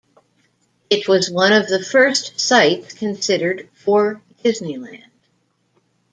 It was one of the first sites considered for Disneyland.